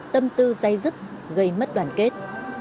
tâm tư dây dứt gây mất đoàn kết